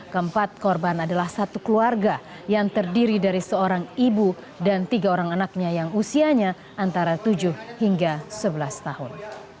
keempat korban adalah satu keluarga yang terdiri dari seorang ibu dan tiga orang anaknya yang usianya antara tujuh hingga sebelas tahun